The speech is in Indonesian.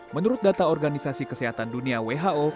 menurut data organisasi kesehatan dunia who